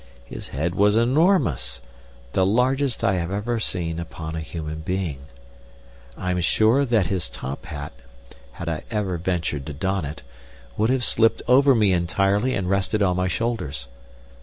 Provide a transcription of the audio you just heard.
His head was enormous, the largest I have ever seen upon a human being. I am sure that his top hat, had I ever ventured to don it, would have slipped over me entirely and rested on my shoulders.